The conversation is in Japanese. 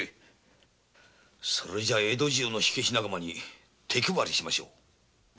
江戸中の火消し仲間に手配りをしましょう！